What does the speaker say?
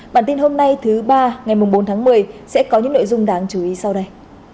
bản tin hôm nay thứ ba ngày bốn tháng một mươi sẽ có những nội dung đáng chú ý sau đây